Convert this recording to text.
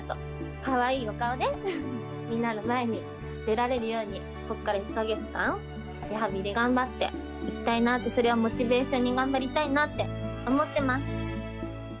かわいいお顔で、みんなの前に出られるように、ここから１か月間、リハビリ頑張っていきたいなって、それをモチベーションに頑張りたいなって思ってます。